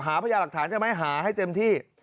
พยาหลักฐานใช่ไหมหาให้เต็มที่